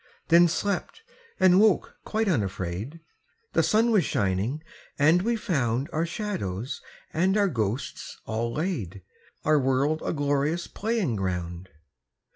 Then slept, and woke quite unafraid. The sun was shining, and we found Our shadows and our ghosts all laid, Our world a glorious playing ground.